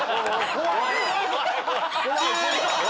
怖い！